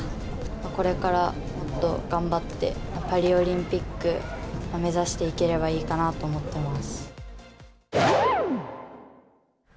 これからもっと頑張って、パリオリンピック目指していければいいかなと思ってます。